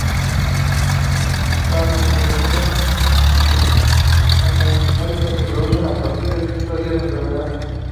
Las manifestaciones hemorrágicas se producen a partir del quinto día de enfermedad.